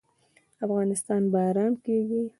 افغانستان به ارام کیږي